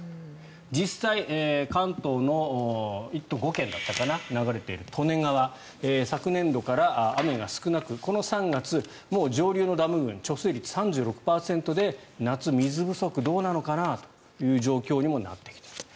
実際に関東の１都５県を流れている利根川昨年度から雨が少なくこの３月もう上流のダム群貯水率、３６％で夏、水不足どうなのかなという状況にもなってきている。